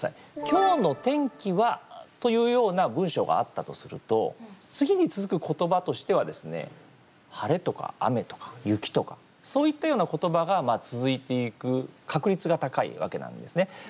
「今日の天気は」というような文章があったとすると次に続く言葉としてはですね「晴れ」とか「雨」とか「雪」とかそういったような言葉が続いていく確率が高いわけなんですね。